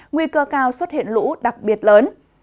nguy cơ cao xuất hiện lũ đặc biệt lớn